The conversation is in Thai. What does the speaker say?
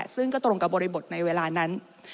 ซึ่งก็ตรงกับบริบทในเวลานั้น